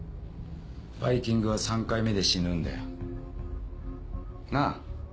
バイキングは３回目で死ぬんだよ。なぁ？